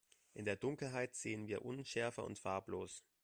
In der Dunkelheit sehen wir unschärfer und farblos.